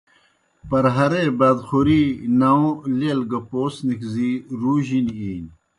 پرہارے بادخوری، ناؤں، لیل گہ پوس نِکھزی رُو جِنیْ اِینیْ۔